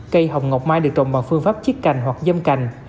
cây hồng ngọc mai được trồng bằng phương pháp chiếc cành hoặc dâm cành